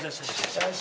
よし。